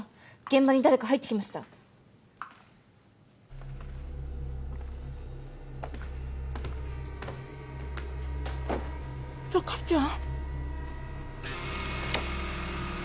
現場に誰か入ってきました貴ちゃん？